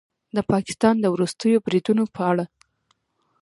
د پاکستان د وروستیو بریدونو په اړه